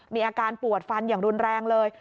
มีอาการปวดฟันอย่างรุนแรงเลย